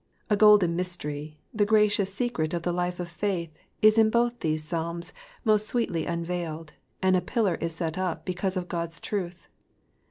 A golden mystery, the gracious secret of the life of faith is in both these Psalms most sweetly unveiled, and a pilknr is set up because of God's truth.